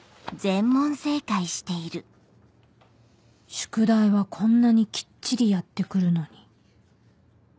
宿題はこんなにきっちりやって来るのに